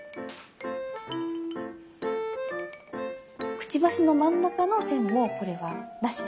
くちばしの真ん中の線もこれはなしで。